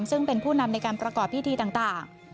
ซึ่งเป็นผู้นำในการประกอบพิธีต่าง